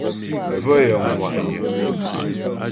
Bvə̂ yəŋ ŋwà'nyə̀.